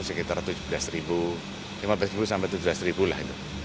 sekitar lima belas sampai tujuh belas lah